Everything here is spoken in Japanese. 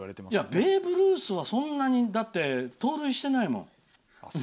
ベーブ・ルースはそんなに盗塁してないもん。